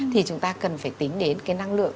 thì chúng ta cần phải tính đến cái năng lượng